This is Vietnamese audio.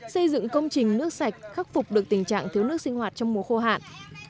xây dựng công trình nước sạch khắc phục được tình trạng thiếu nước sinh hoạt trong mùa khô hạn